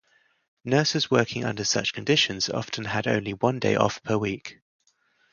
Nurses working under such conditions often had only one day off per week.